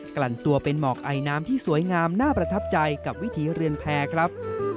ลั่นตัวเป็นหมอกไอน้ำที่สวยงามน่าประทับใจกับวิถีเรือนแพร่ครับ